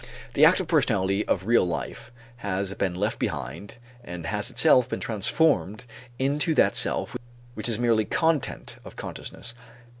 The active personality of real life has been left behind and has itself been transformed into that self which is merely content of consciousness.